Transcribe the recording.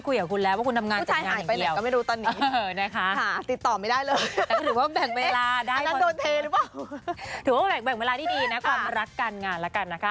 ถูกว่าแบ่งเวลาที่ดีนะความรักกันงานกันนะคะ